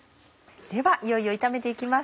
ではいよいよ炒めて行きます。